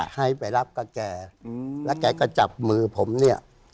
ให้ไปรับกับแกแล้วแกก็จับมือผมเนี่ย